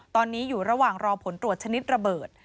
ตอนนี้อยู่ระหว่างรอผลตรวจชนิดระเบิด